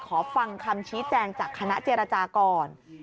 ขอฟังคำชี้แจงจากคณะเจรจาก่อน